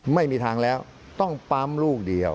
ไม่มีทางแล้วต้องปั๊มลูกเดียว